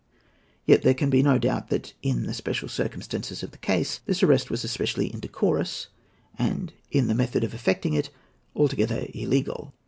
Yet there can be no doubt that, in the special circumstances of the case, this arrest was especially indecorous, and, in the method of effecting it, altogether illegal.